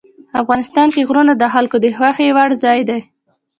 افغانستان کې غرونه د خلکو د خوښې وړ ځای دی.